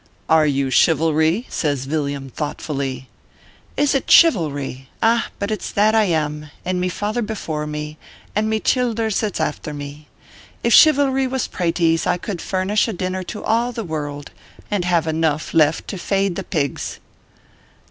" Are you Chivalry ?" says Villiam, thoughtfully. " Is it Chivalry ! ah, but it s that I am, and me father before me, and me childers that s afther me. If Chivalry was praties I could furnish a dinner to all the wur ruld, and have enough left to fade the pigs."